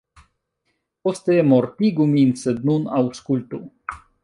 Poste mortigu min, sed nun aŭskultu.